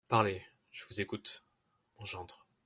Parlez… je vous écoute… mon gendre…